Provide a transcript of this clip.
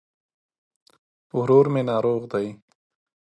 ورور مي ناروغ دي